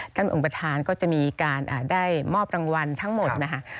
การเป็นองค์ประธานก็จะมีการได้มอบรางวัลทั้งหมด